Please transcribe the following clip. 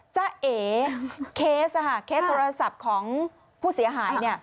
จ้าเอ๋เคสเคสโทรศัพท์ของผู้เสียหาย